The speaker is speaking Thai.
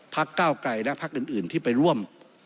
พระเก้าไกรและพระอื่นที่ไปร่วม